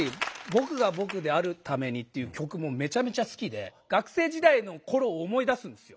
「僕が僕であるために」っていう曲もめちゃめちゃ好きで学生時代の頃を思い出すんですよ。